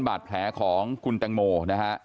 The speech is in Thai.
บาดแผลของคุณแตงโมนะฮะ